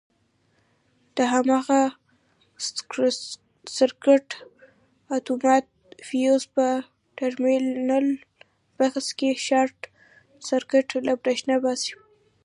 د هماغه سرکټ اتومات فیوز په ټرمینل بکس کې شارټ سرکټ له برېښنا باسي.